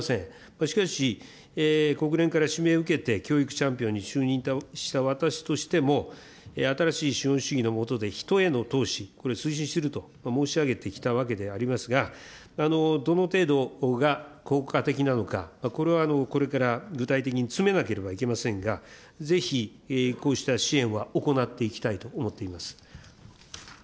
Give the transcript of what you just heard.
しかし、国連から指名を受けて、教育チャンピオンに就任した私としても、新しい資本主義の下で人への投資、これ、推進すると申し上げてきたわけでありますが、どの程度が効果的なのか、これはこれから具体的に詰めなければいけませんが、ぜひこうした支援は行っていきたいと思っています。